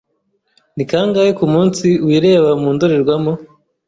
Ni kangahe kumunsi wireba mu ndorerwamo?